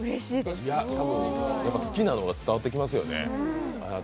しかも、好きなのが伝わってきますよね。